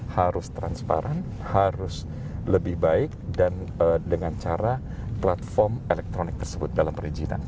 harus transparan harus lebih baik dan dengan cara platform elektronik tersebut dalam perizinan